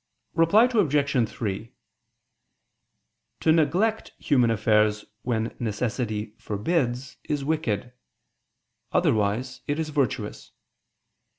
Reply Obj. 3: To neglect human affairs when necessity forbids is wicked; otherwise it is virtuous.